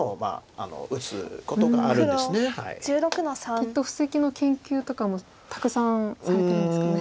きっと布石の研究とかもたくさんされてるんですかね。